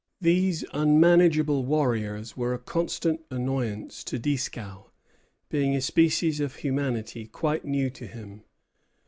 These unmanageable warriors were a constant annoyance to Dieskau, being a species of humanity quite new to him.